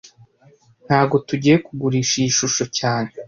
Ntago tugiye kugurisha iyi shusho cyane